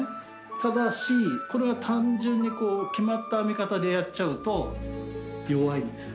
ただしこれが単純に決まった編み方でやっちゃうと弱いんです。